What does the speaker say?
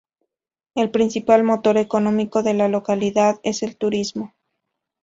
El principal motor económico de la localidad es el turismo.